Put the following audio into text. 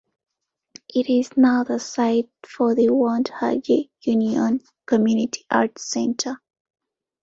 It is now the site for the Wonthaggi Union Community Arts Centre.